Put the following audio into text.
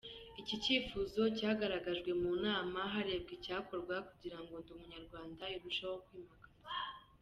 Iki cyifuzo cyagaragajwe mu nama, harebwa icyakorwa kugira ngo Ndi Umunyarwanda irusheho kwimakazwa.